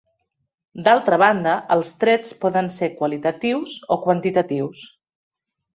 D'altra banda, els trets poden ser qualitatius o quantitatius.